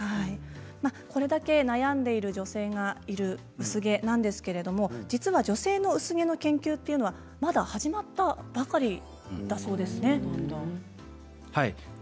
これだけ悩んでいる女性がいる薄毛なんですけれども実は女性の薄毛の研究というのはまだ始まったばかりだそうですね。